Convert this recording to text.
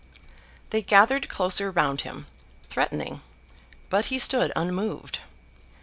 They gathered closer round him, threatening, but he stood unmoved.